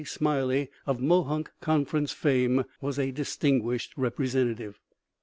Smiley of Mohonk Conference fame was a distinguished representative.